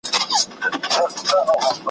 ستا د تخت او زما د سر به دښمنان وي ,